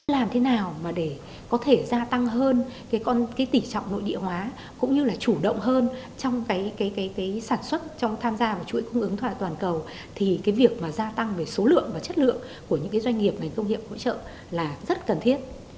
làm thế nào để có thể gia tăng hơn tỷ trọng nội địa hóa cũng như là chủ động hơn trong sản xuất trong tham gia vào chuỗi cung ứng toàn cầu thì việc gia tăng về số lượng và chất lượng của những doanh nghiệp ngành công nghiệp hỗ trợ là rất cần thiết